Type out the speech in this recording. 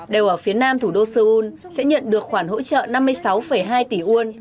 đều ở phía nam thủ đô seoul sẽ nhận được khoản hỗ trợ năm mươi sáu hai tỷ won